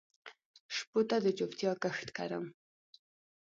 شپو ته د چوپتیا کښت کرم